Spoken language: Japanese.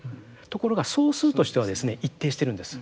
ところが総数としてはですね一定してるんです。